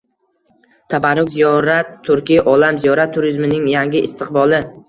“Tabarruk ziyorat” – turkiy olam ziyorat turizmining yangi istiqboli